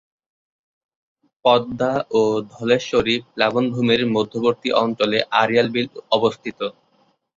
পদ্মা ও ধলেশ্বরী প্লাবনভূমির মধ্যবর্তী অঞ্চলে আড়িয়াল বিল অবস্থিত।